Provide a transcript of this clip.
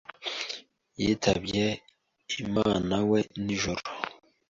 yitabye Imanawe nijoro.